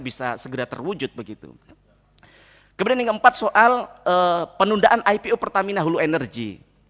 bisa segera terwujud begitu kemudian yang keempat soal penundaan ipo pertamina hulu energy